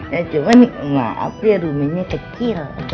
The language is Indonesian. ya cuma maaf ya rumahnya kecil